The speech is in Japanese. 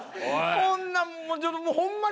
こんなんちょっともうホンマに。